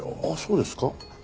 あっそうですか？